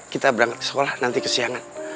kita berangkat sekolah nanti kesiangan